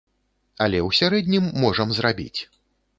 Але ў сярэднім можам зрабіць.